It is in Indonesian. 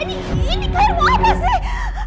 ini kair apa sih